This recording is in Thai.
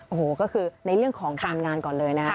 โอ้โหก็คือในเรื่องของการงานก่อนเลยนะครับ